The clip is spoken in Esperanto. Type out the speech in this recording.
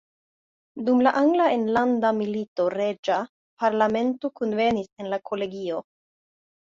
Dum la Angla enlanda milito reĝa parlamento kunvenis en la kolegio.